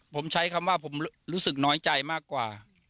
ผมใช้คำว่าผมรู้สึกน้อยใจมากกว่า